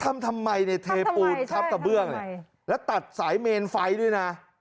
ทำทำไมในเทปูนทับกระเบื้องแล้วตัดสายเมนไฟด้วยนะ